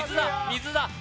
水だ